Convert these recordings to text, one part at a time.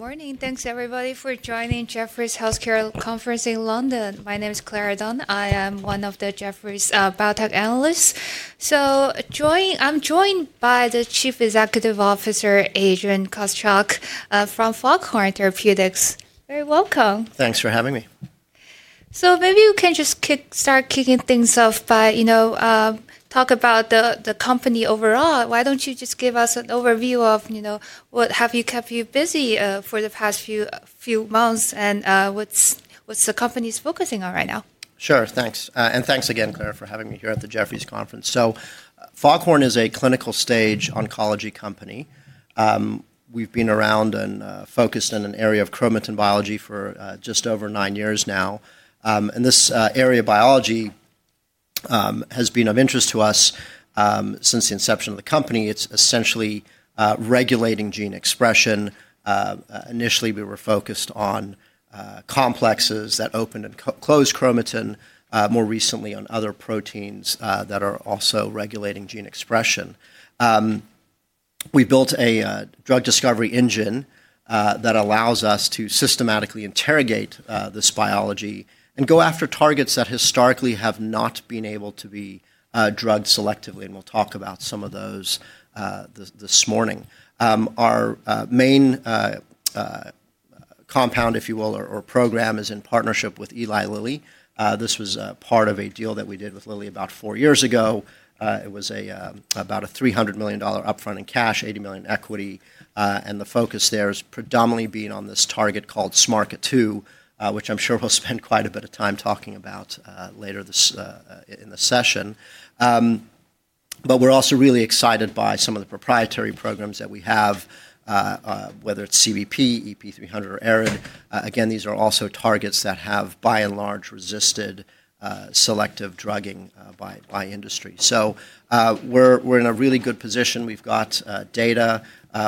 All right, good morning. Thanks, everybody, for joining Jefferies Healthcare Conference in London. My name is Clara Dunn. I am one of the Jefferies biotech analysts. I am joined by the Chief Executive Officer, Adrian Gottschalk, from Foghorn Therapeutics. Very welcome. Thanks for having me. Maybe you can just start kicking things off by, you know, talk about the company overall. Why don't you just give us an overview of, you know, what have kept you busy for the past few months and what's the company focusing on right now? Sure, thanks. And thanks again, Clara, for having me here at the Jefferies Conference. Foghorn is a clinical-stage oncology company. We've been around and focused in an area of chromatin biology for just over 9 years now. This area of biology has been of interest to us since the inception of the company. It's essentially regulating gene expression. Initially, we were focused on complexes that open and close chromatin, more recently on other proteins that are also regulating gene expression. We built a drug discovery engine that allows us to systematically interrogate this biology and go after targets that historically have not been able to be drugged selectively. We'll talk about some of those this morning. Our main compound, if you will, or program, is in partnership with Eli Lilly. This was part of a deal that we did with Lilly about 4 years ago. It was about a $300 million upfront in cash, $80 million equity. The focus there has predominantly been on this target called SMARCA2, which I'm sure we'll spend quite a bit of time talking about later in the session. We're also really excited by some of the proprietary programs that we have, whether it's CBP, EP300, or ARID. Again, these are also targets that have, by and large, resisted selective drugging by industry. We're in a really good position. We've got data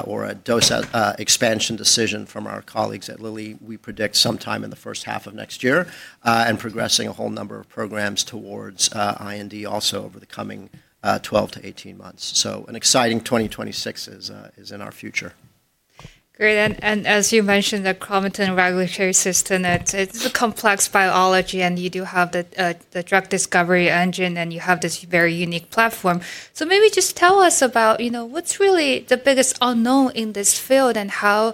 or a dose expansion decision from our colleagues at Lilly. We predict sometime in the first half of next year and progressing a whole number of programs towards IND also over the coming 12-18 months. An exciting 2026 is in our future. Great. As you mentioned, the chromatin regulatory system, it's a complex biology, and you do have the drug discovery engine, and you have this very unique platform. Maybe just tell us about, you know, what's really the biggest unknown in this field and how,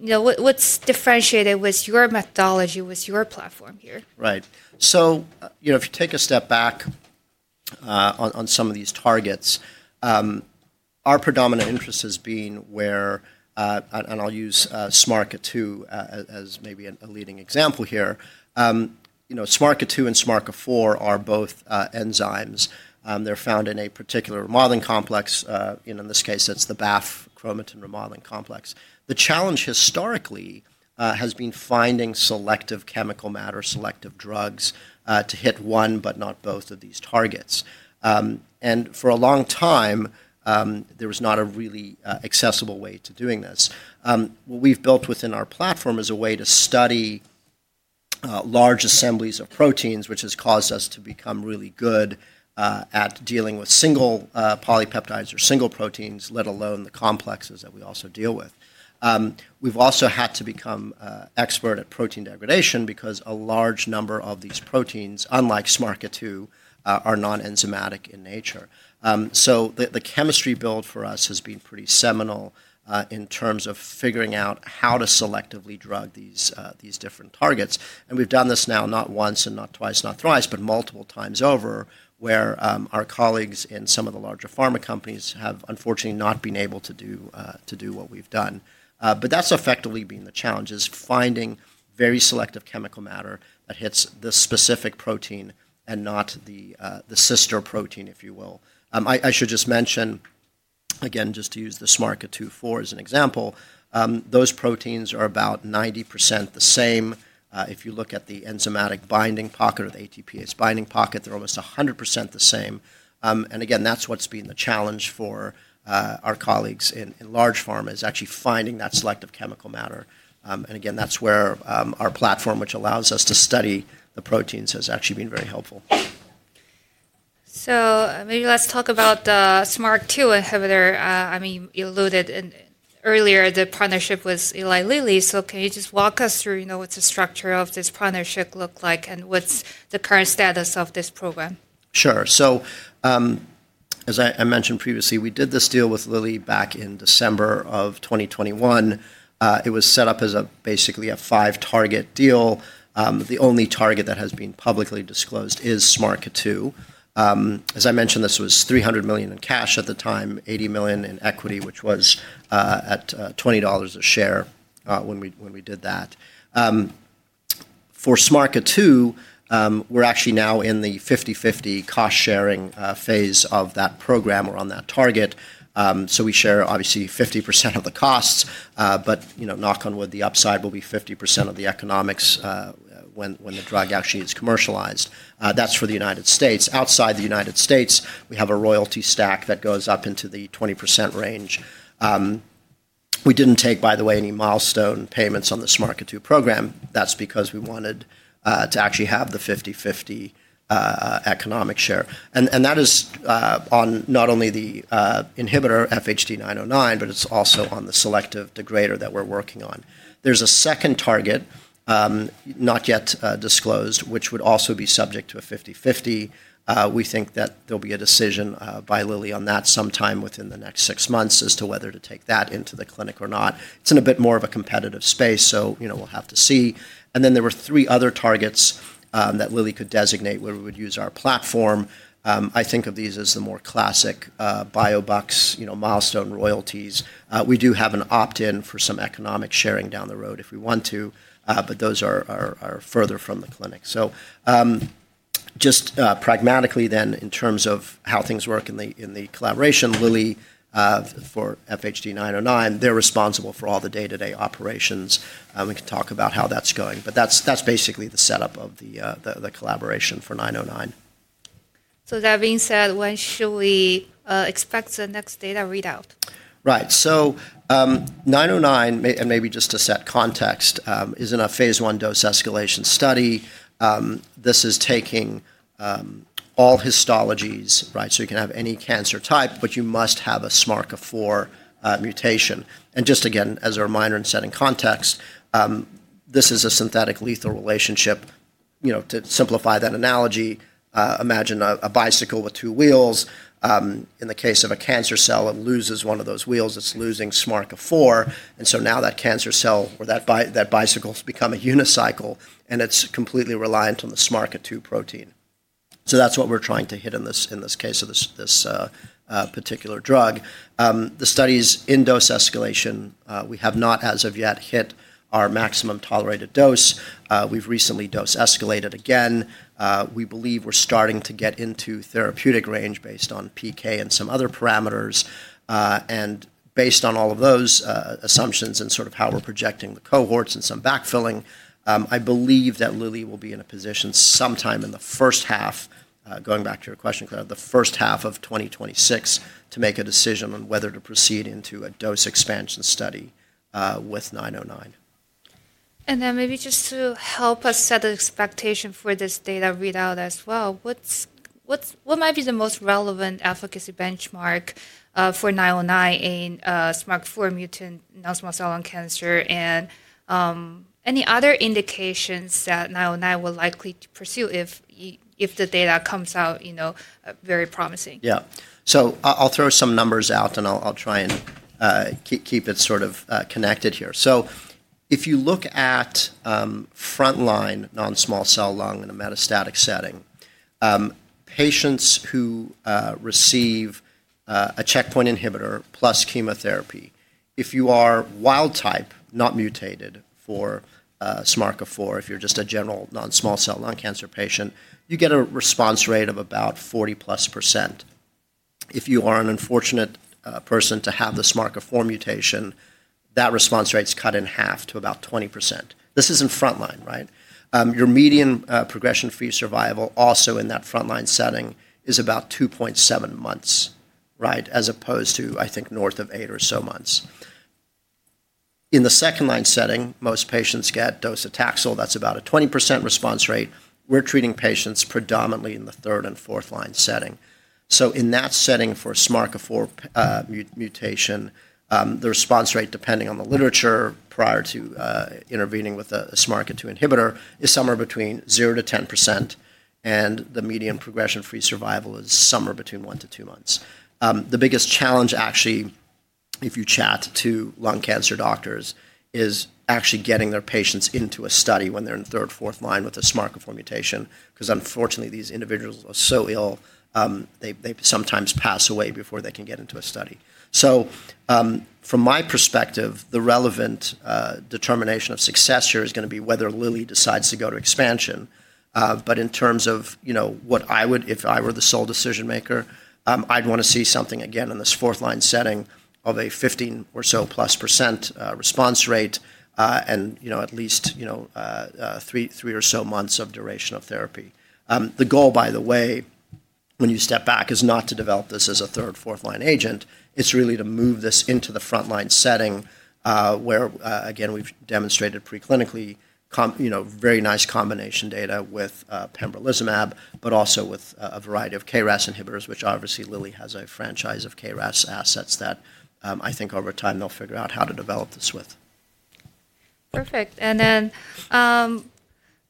you know, what's differentiated with your methodology, with your platform here. Right. You know, if you take a step back on some of these targets, our predominant interest has been where, and I'll use SMARCA2 as maybe a leading example here, you know, SMARCA2 and SMARCA4 are both enzymes. They're found in a particular remodeling complex. In this case, it's the BAF chromatin remodeling complex. The challenge historically has been finding selective chemical matter, selective drugs to hit one, but not both of these targets. For a long time, there was not a really accessible way to doing this. What we've built within our platform is a way to study large assemblies of proteins, which has caused us to become really good at dealing with single polypeptides or single proteins, let alone the complexes that we also deal with. We've also had to become expert at protein degradation because a large number of these proteins, unlike SMARCA2, are non-enzymatic in nature. So the chemistry build for us has been pretty seminal in terms of figuring out how to selectively drug these different targets. And we've done this now not once and not twice, not thrice, but multiple times over where our colleagues in some of the larger pharma companies have unfortunately not been able to do what we've done. That's effectively been the challenge is finding very selective chemical matter that hits the specific protein and not the sister protein, if you will. I should just mention, again, just to use the SMARCA2 as an example, those proteins are about 90% the same. If you look at the enzymatic binding pocket or the ATPase binding pocket, they're almost 100% the same. That's what's been the challenge for our colleagues in large pharma is actually finding that selective chemical matter. That's where our platform, which allows us to study the proteins, has actually been very helpful. Maybe let's talk about the SMARCA2 inhibitor. I mean, you alluded earlier to the partnership with Eli Lilly. Can you just walk us through, you know, what's the structure of this partnership look like and what's the current status of this program? Sure. As I mentioned previously, we did this deal with Lilly back in December of 2021. It was set up as basically a five-target deal. The only target that has been publicly disclosed is SMARCA2. As I mentioned, this was $300 million in cash at the time, $80 million in equity, which was at $20 a share when we did that. For SMARCA2, we're actually now in the 50/50 cost-sharing phase of that program or on that target. We share, obviously, 50% of the costs, but, you know, knock on wood, the upside will be 50% of the economics when the drug actually is commercialized. That is for the United States. Outside the United States, we have a royalty stack that goes up into the 20% range. We did not take, by the way, any milestone payments on the SMARCA2 program. That's because we wanted to actually have the 50/50 economic share. And that is on not only the inhibitor FHD-909, but it's also on the selective degrader that we're working on. There's a second target, not yet disclosed, which would also be subject to a 50/50. We think that there'll be a decision by Lilly on that sometime within the next six months as to whether to take that into the clinic or not. It's in a bit more of a competitive space. So, you know, we'll have to see. And then there were three other targets that Lilly could designate where we would use our platform. I think of these as the more classic biobucks, you know, milestone royalties. We do have an opt-in for some economic sharing down the road if we want to, but those are further from the clinic. Just pragmatically then, in terms of how things work in the collaboration, Lilly for FHD-909, they're responsible for all the day-to-day operations. We can talk about how that's going, but that's basically the setup of the collaboration for 909. That being said, when should we expect the next data readout? Right. 909, and maybe just to set context, is in a phase I dose-escalation study. This is taking all histologies, right? You can have any cancer type, but you must have a SMARCA4 mutation. Just again, as a reminder and setting context, this is a synthetic lethal relationship. You know, to simplify that analogy, imagine a bicycle with two wheels. In the case of a cancer cell, it loses one of those wheels. It's losing SMARCA4. Now that cancer cell or that bicycle has become a unicycle and it's completely reliant on the SMARCA2 protein. That's what we're trying to hit in this case of this particular drug. The study is in dose escalation. We have not as of yet hit our maximum tolerated dose. We've recently dose escalated again. We believe we're starting to get into therapeutic range based on PK and some other parameters. Based on all of those assumptions and sort of how we're projecting the cohorts and some backfilling, I believe that Lilly will be in a position sometime in the first half, going back to your question, Clara, the first half of 2026 to make a decision on whether to proceed into a dose expansion study with 909. Maybe just to help us set the expectation for this data readout as well, what might be the most relevant efficacy benchmark for 909 in SMARCA4 mutant non-small cell lung cancer and any other indications that 909 will likely pursue if the data comes out, you know, very promising? Yeah. I'll throw some numbers out and I'll try and keep it sort of connected here. If you look at frontline non-small cell lung in a metastatic setting, patients who receive a checkpoint inhibitor plus chemotherapy, if you are wild type, not mutated for SMARCA4, if you're just a general non-small cell lung cancer patient, you get a response rate of about 40+%. If you are an unfortunate person to have the SMARCA4 mutation, that response rate's cut in half to about 20%. This is in frontline, right? Your median progression-free survival also in that frontline setting is about 2.7 months, right, as opposed to, I think, north of 8 or so months. In the second line setting, most patients get dose of Taxol. That's about a 20% response rate. We're treating patients predominantly in the third and fourth line setting. In that setting for SMARCA4 mutation, the response rate, depending on the literature prior to intervening with a SMARCA2 inhibitor, is somewhere between 0%-10%, and the median progression-free survival is somewhere between one to two months. The biggest challenge actually, if you chat to lung cancer doctors, is actually getting their patients into a study when they're in third, fourth line with a SMARCA4 mutation, because unfortunately, these individuals are so ill, they sometimes pass away before they can get into a study. From my perspective, the relevant determination of success here is going to be whether Lilly decides to go to expansion. In terms of, you know, what I would, if I were the sole decision maker, I'd want to see something again in this fourth line setting of a 15% or so plus response rate and, you know, at least, you know, three or so months of duration of therapy. The goal, by the way, when you step back, is not to develop this as a third, fourth line agent. It's really to move this into the frontline setting where, again, we've demonstrated preclinically, you know, very nice combination data with pembrolizumab, but also with a variety of KRAS inhibitors, which obviously Lilly has a franchise of KRAS assets that I think over time they'll figure out how to develop this with. Perfect.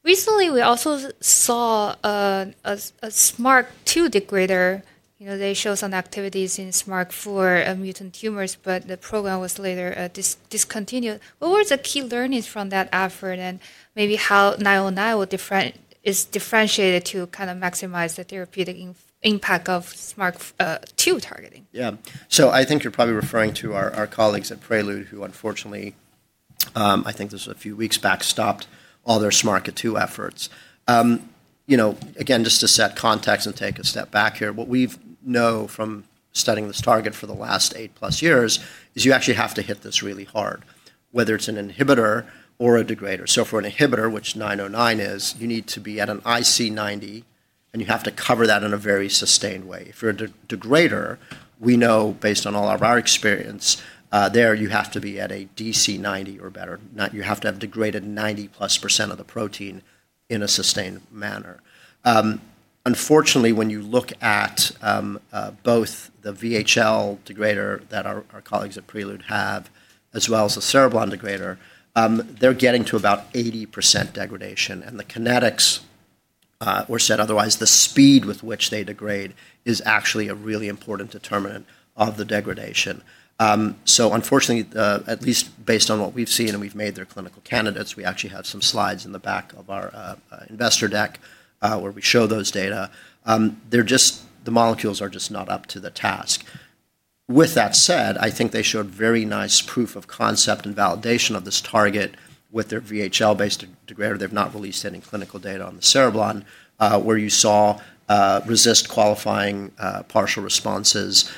Recently we also saw a SMARCA2 degrader. You know, they showed some activities in SMARCA4 mutant tumors, but the program was later discontinued. What were the key learnings from that effort and maybe how 909 is differentiated to kind of maximize the therapeutic impact of SMARCA2 targeting? Yeah. I think you're probably referring to our colleagues at Prelude who, unfortunately, I think this was a few weeks back, stopped all their SMARCA2 efforts. You know, again, just to set context and take a step back here, what we know from studying this target for the last eight plus years is you actually have to hit this really hard, whether it's an inhibitor or a degrader. For an inhibitor, which 909 is, you need to be at an IC90 and you have to cover that in a very sustained way. If you're a degrader, we know based on all of our experience there, you have to be at a DC90 or better. You have to have degraded 90+% of the protein in a sustained manner. Unfortunately, when you look at both the VHL degrader that our colleagues at Prelude have, as well as the cereblon degrader, they're getting to about 80% degradation. The kinetics, or said otherwise, the speed with which they degrade is actually a really important determinant of the degradation. Unfortunately, at least based on what we've seen and we've made their clinical candidates, we actually have some slides in the back of our investor deck where we show those data. The molecules are just not up to the task. With that said, I think they showed very nice proof of concept and validation of this target with their VHL-based degrader. They've not released any clinical data on the cereblon where you saw resist qualifying partial responses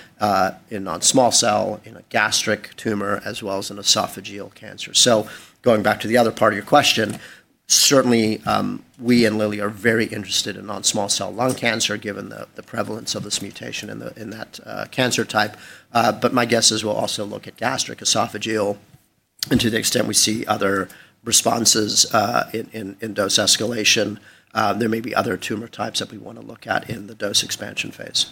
in non-small cell in a gastric tumor as well as in esophageal cancer. Going back to the other part of your question, certainly we and Lilly are very interested in non-small cell lung cancer given the prevalence of this mutation in that cancer type. My guess is we'll also look at gastric esophageal and to the extent we see other responses in dose escalation. There may be other tumor types that we want to look at in the dose expansion phase.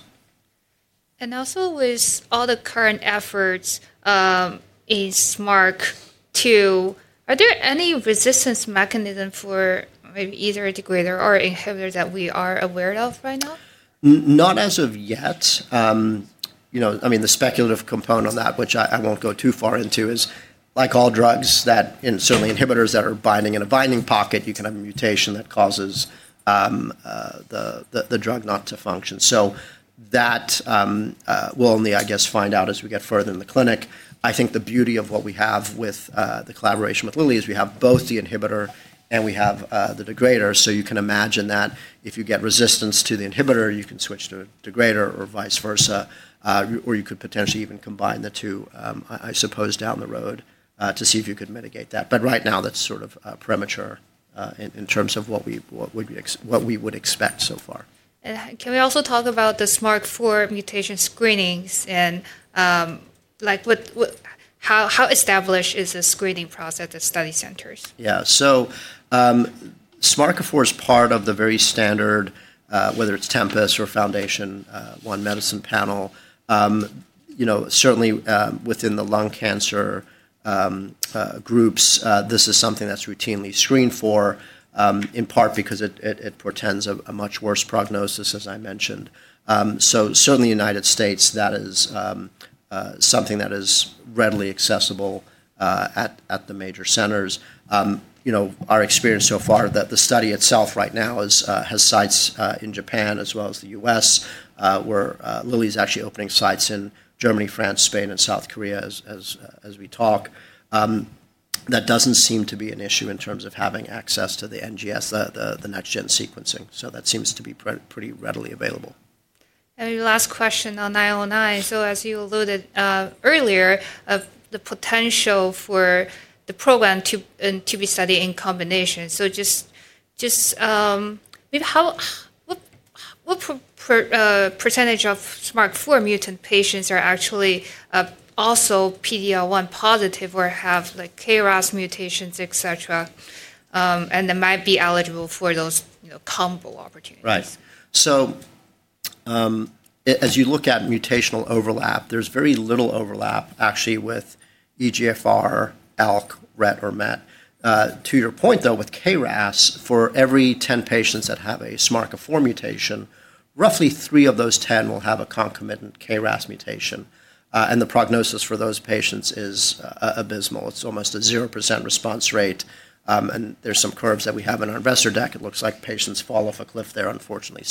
With all the current efforts in SMARCA2, are there any resistance mechanisms for maybe either a degrader or inhibitor that we are aware of right now? Not as of yet. You know, I mean, the speculative component on that, which I won't go too far into, is like all drugs that, and certainly inhibitors that are binding in a binding pocket, you can have a mutation that causes the drug not to function. So that we'll only, I guess, find out as we get further in the clinic. I think the beauty of what we have with the collaboration with Lilly is we have both the inhibitor and we have the degrader. You can imagine that if you get resistance to the inhibitor, you can switch to a degrader or vice versa, or you could potentially even combine the two, I suppose, down the road to see if you could mitigate that. Right now, that's sort of premature in terms of what we would expect so far. Can we also talk about the SMARCA4 mutation screenings and like how established is the screening process at study centers? Yeah. So SMARCA4 is part of the very standard, whether it's Tempus or FoundationOne Medicine Panel. You know, certainly within the lung cancer groups, this is something that's routinely screened for, in part because it portends a much worse prognosis, as I mentioned. Certainly in the United States, that is something that is readily accessible at the major centers. You know, our experience so far that the study itself right now has sites in Japan as well as the US, where Lilly's actually opening sites in Germany, France, Spain, and South Korea as we talk. That doesn't seem to be an issue in terms of having access to the NGS, the next-generation sequencing. That seems to be pretty readily available. Last question on 909. As you alluded earlier, the potential for the program to be studied in combination. Just maybe, what percentage of SMARCA4 mutant patients are actually also PD-L1+ or have KRAS mutations, et cetera, and they might be eligible for those combo opportunities? Right. As you look at mutational overlap, there's very little overlap actually with EGFR, ALK, RET, or MET. To your point though, with KRAS, for every 10 patients that have a SMARCA4 mutation, roughly three of those 10 will have a concomitant KRAS mutation. The prognosis for those patients is abysmal. It's almost a 0% response rate. There are some curves that we have in our investor deck. It looks like patients fall off a cliff there, unfortunately.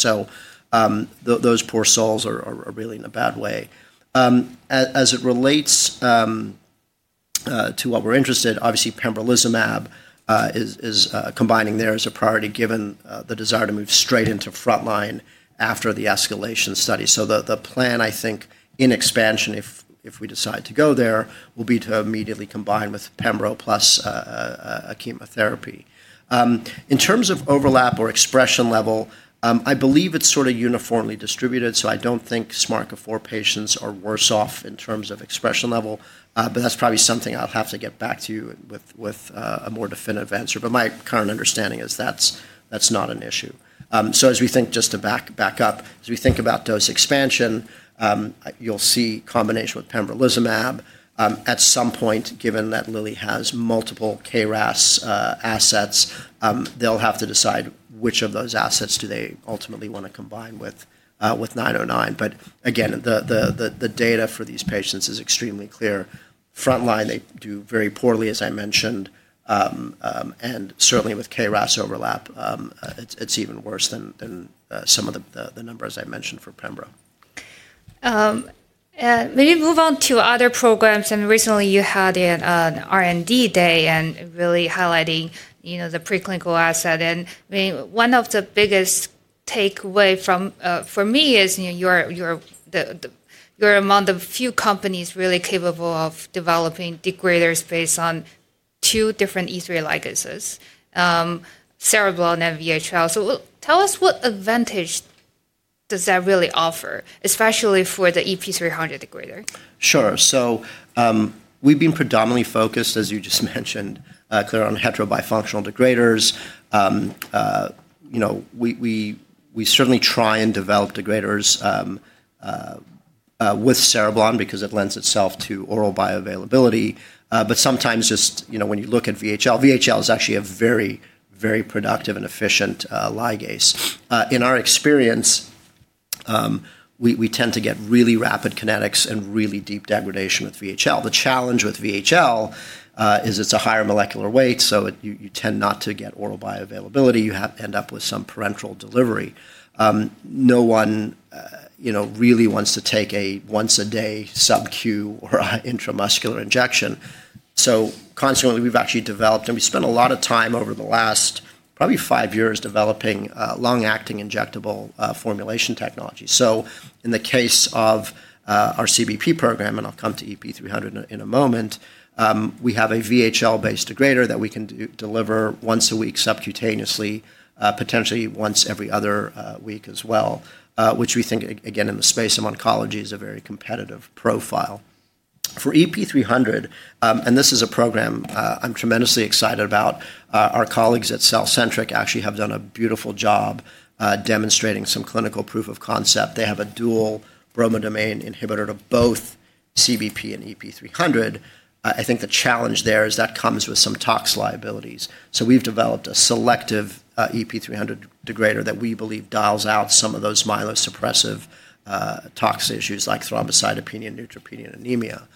Those poor souls are really in a bad way. As it relates to what we're interested in, obviously pembrolizumab is combining there as a priority given the desire to move straight into frontline after the escalation study. The plan, I think, in expansion, if we decide to go there, will be to immediately combine with pembro plus a chemotherapy. In terms of overlap or expression level, I believe it's sort of uniformly distributed. I don't think SMARCA4 patients are worse off in terms of expression level, but that's probably something I'll have to get back to you with a more definitive answer. My current understanding is that's not an issue. As we think, just to back up, as we think about dose expansion, you'll see combination with pembrolizumab at some point, given that Lilly has multiple KRAS assets, they'll have to decide which of those assets they ultimately want to combine with 909. Again, the data for these patients is extremely clear. Frontline, they do very poorly, as I mentioned. Certainly with KRAS overlap, it's even worse than some of the numbers I mentioned for pembro. Maybe move on to other programs. Recently you had an R&D day and really highlighting, you know, the preclinical asset. One of the biggest takeaways for me is you're among the few companies really capable of developing degraders based on two different E3 ligases, cereblon and VHL. Tell us what advantage does that really offer, especially for the EP300 degrader? Sure. So we've been predominantly focused, as you just mentioned, Clara, on heterobifunctional degraders. You know, we certainly try and develop degraders with cereblon because it lends itself to oral bioavailability. But sometimes just, you know, when you look at VHL, VHL is actually a very, very productive and efficient ligase. In our experience, we tend to get really rapid kinetics and really deep degradation with VHL. The challenge with VHL is it's a higher molecular weight, so you tend not to get oral bioavailability. You end up with some parenteral delivery. No one, you know, really wants to take a once-a-day subcu or intramuscular injection. Consequently, we've actually developed, and we spent a lot of time over the last probably 5 years developing long-acting injectable formulation technology. In the case of our CBP program, and I'll come to EP300 in a moment, we have a VHL-based degrader that we can deliver once a week subcutaneously, potentially once every other week as well, which we think, again, in the space of oncology, is a very competitive profile. For EP300, and this is a program I'm tremendously excited about, our colleagues at CellCentric actually have done a beautiful job demonstrating some clinical proof of concept. They have a dual bromodomain inhibitor to both CBP and EP300. I think the challenge there is that comes with some tox liabilities. We have developed a selective EP300 degrader that we believe dials out some of those myelosuppressive tox issues like thrombocytopenia and neutropenia and anemia.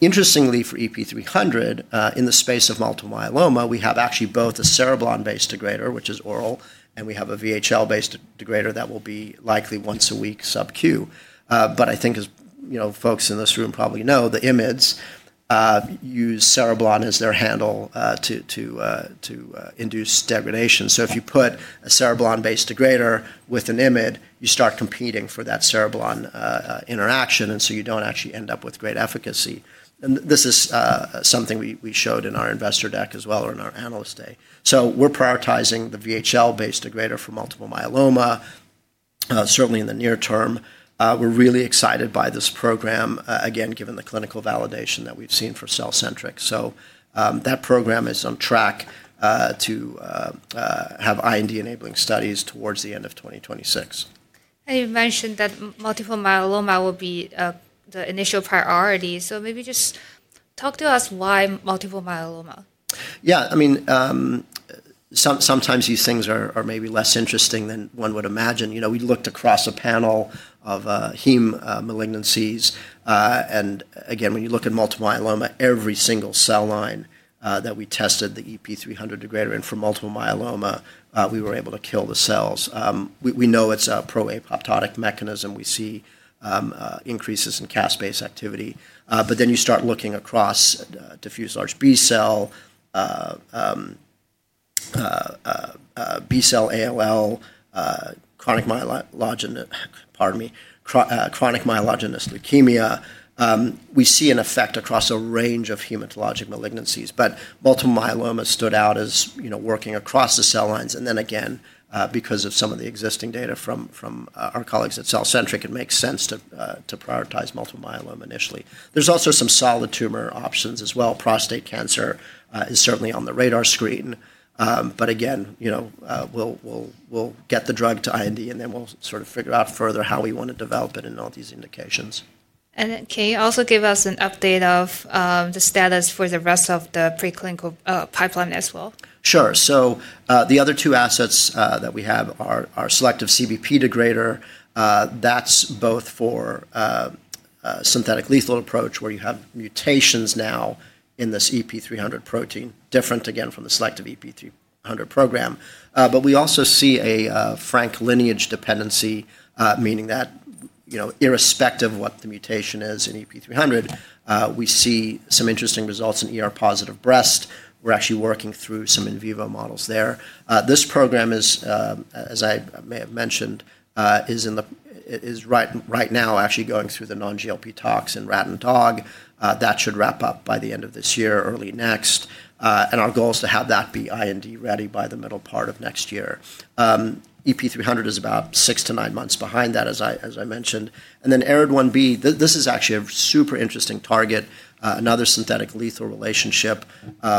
Interestingly, for EP300, in the space of multiple myeloma, we have actually both a cereblon-based degrader, which is oral, and we have a VHL-based degrader that will be likely once a week subcu. I think, as you know, folks in this room probably know, the IMIDs use cereblon as their handle to induce degradation. If you put a cereblon-based degrader with an IMID, you start competing for that cereblon interaction, and you do not actually end up with great efficacy. This is something we showed in our investor deck as well or in our analyst day. We are prioritizing the VHL-based degrader for multiple myeloma, certainly in the near term. We are really excited by this program, again, given the clinical validation that we have seen for CellCentric. That program is on track to have IND-enabling studies towards the end of 2026. You mentioned that multiple myeloma will be the initial priority. Maybe just talk to us why multiple myeloma. Yeah. I mean, sometimes these things are maybe less interesting than one would imagine. You know, we looked across a panel of heme malignancies. And again, when you look at multiple myeloma, every single cell line that we tested the EP300 degrader in for multiple myeloma, we were able to kill the cells. We know it's a proapoptotic mechanism. We see increases in caspase activity. Then you start looking across diffuse large B-cell, B-cell ALL, chronic myelogenic leukemia. We see an effect across a range of hematologic malignancies. Multiple myeloma stood out as, you know, working across the cell lines. Then again, because of some of the existing data from our colleagues at CellCentric, it makes sense to prioritize multiple myeloma initially. There's also some solid tumor options as well. Prostate cancer is certainly on the radar screen. Again, you know, we'll get the drug to IND, and then we'll sort of figure out further how we want to develop it and all these indications. Can you also give us an update of the status for the rest of the preclinical pipeline as well? Sure. The other two assets that we have are our selective CBP degrader. That is both for synthetic lethal approach where you have mutations now in this EP300 protein, different again from the selective EP300 program. We also see a frank lineage dependency, meaning that, you know, irrespective of what the mutation is in EP300, we see some interesting results in positive breast. We are actually working through some in vivo models there. This program is, as I may have mentioned, right now actually going through the non-GLP tox in rat and dog. That should wrap up by the end of this year, early next. Our goal is to have that be IND ready by the middle part of next year. EP300 is about 6-9 months behind that, as I mentioned. ARID1B, this is actually a super interesting target, another synthetic lethal relationship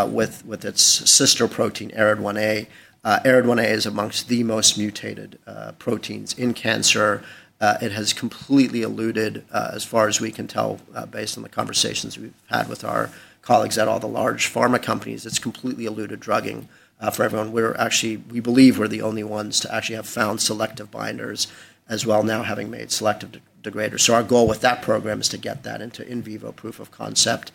with its sister protein, ARID1A. ARID1A is amongst the most mutated proteins in cancer. It has completely eluded, as far as we can tell, based on the conversations we've had with our colleagues at all the large pharma companies, it's completely eluded drugging for everyone. We actually, we believe we're the only ones to actually have found selective binders as well, now having made selective degraders. Our goal with that program is to get that into in vivo proof of concept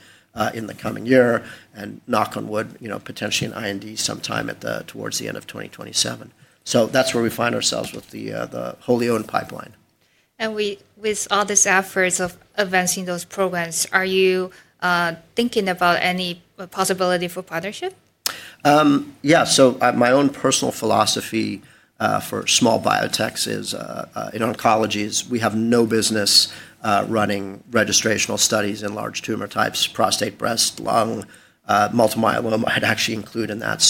in the coming year and, knock on wood, you know, potentially an IND sometime towards the end of 2027. That's where we find ourselves with the wholly owned pipeline. With all these efforts of advancing those programs, are you thinking about any possibility for partnership? Yeah. So my own personal philosophy for small biotechs is in oncology, we have no business running registrational studies in large tumor types, prostate, breast, lung, multiple myeloma I'd actually include in that.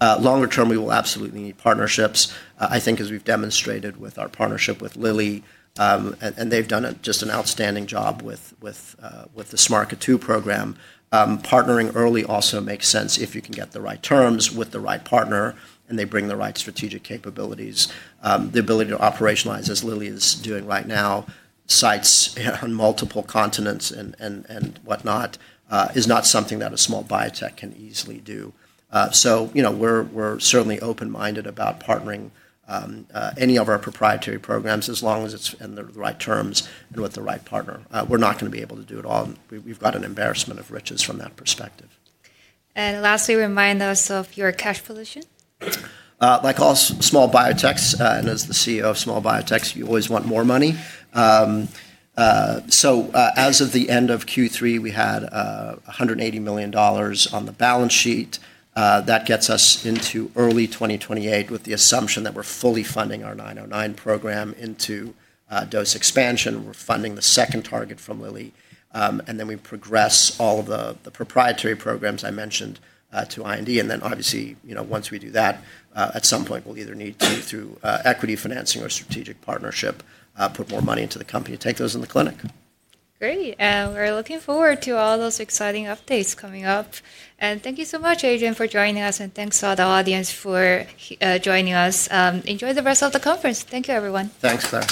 Longer-term, we will absolutely need partnerships. I think as we've demonstrated with our partnership with Lilly, and they've done just an outstanding job with the SMARCA2 program. Partnering early also makes sense if you can get the right terms with the right partner and they bring the right strategic capabilities. The ability to operationalize, as Lilly is doing right now, sites on multiple continents and whatnot is not something that a small biotech can easily do. You know, we're certainly open-minded about partnering any of our proprietary programs as long as it's in the right terms and with the right partner. We're not going to be able to do it all. We've got an embarrassment of riches from that perspective. Lastly, remind us of your cash position. Like all small biotechs, and as the CEO of small biotechs, you always want more money. As of the end of Q3, we had $180 million on the balance sheet. That gets us into early 2028 with the assumption that we're fully funding our 909 program into dose expansion. We're funding the second target from Lilly. Then we progress all of the proprietary programs I mentioned to IND. Obviously, you know, once we do that, at some point, we'll either need to, through equity financing or strategic partnership, put more money into the company to take those in the clinic. Great. We are looking forward to all those exciting updates coming up. Thank you so much, Adrian, for joining us. Thank you to the audience for joining us. Enjoy the rest of the conference. Thank you, everyone. Thanks, Clara.